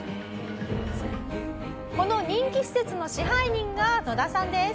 この人気施設の支配人がノダさんです。